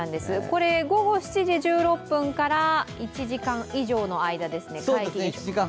午後７時１６分から１時間以上の間、皆既月食が。